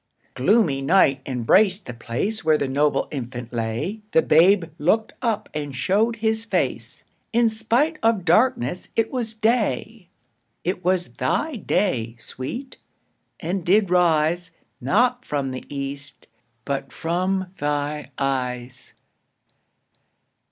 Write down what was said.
Gloomy night embrac'd the place Where the noble infant lay: The babe looked up, and show'd his face, In spite of darkness it was day. It was thy day, Sweet, and did rise, Not from the east, but from thy eyes.